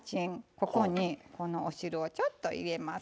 ここにこのお汁をちょっと入れます。